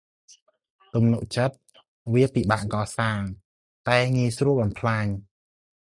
ទំនុកទុកចិត្ត វាពិបាកកសាង តែងាយស្រួលបំផ្លាញ។